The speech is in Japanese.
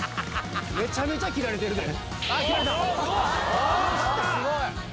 めちゃめちゃ斬られてる。すごい！